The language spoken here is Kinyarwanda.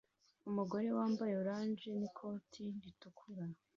Umugore wambaye orange n'ikoti ritukura